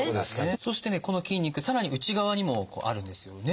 そしてねこの筋肉さらに内側にもあるんですよね。